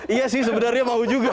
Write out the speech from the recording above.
iya sih sebenarnya mau juga